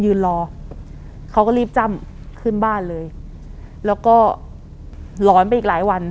ยืนรอเขาก็รีบจ้ำขึ้นบ้านเลยแล้วก็หลอนไปอีกหลายวัน